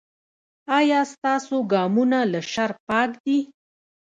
ایا ستاسو ګامونه له شر پاک دي؟